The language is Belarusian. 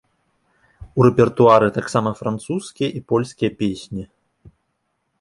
У рэпертуары таксама французскія і польскія песні.